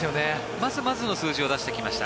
まずまずの数字を出してきました。